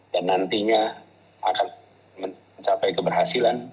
dan nantinya akan mencapai keberhasilan